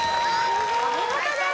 お見事です